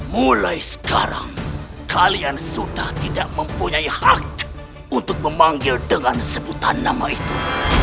mulai sekarang kalian sudah tidak mempunyai hak untuk memanggil dengan sebutan nama itu